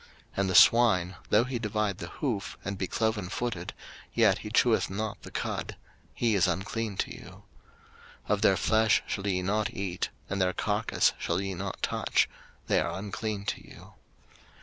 03:011:007 And the swine, though he divide the hoof, and be clovenfooted, yet he cheweth not the cud; he is unclean to you. 03:011:008 Of their flesh shall ye not eat, and their carcase shall ye not touch; they are unclean to you.